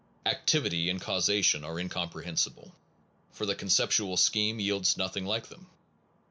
Activity and causation are in comprehensible, for the conceptual scheme yields nothing like them.